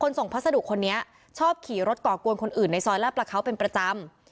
ส่งพัสดุคนนี้ชอบขี่รถก่อกวนคนอื่นในซอยลาดประเขาเป็นประจำ